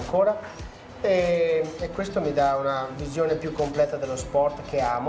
ini memberi saya penampilan yang lebih lengkap tentang sepak bola yang saya suka